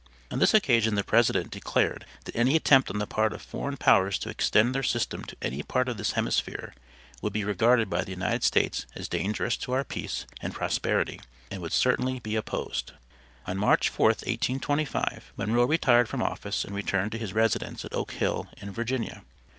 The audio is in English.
On this occasion the president declared that any attempt on the part of foreign powers to extend their system to any part of this hemisphere would be regarded by the United States as dangerous to our peace and prosperity, and would certainly be opposed. On March 4, 1825, Monroe retired from office and returned to his residence at Oak Hill in Virginia.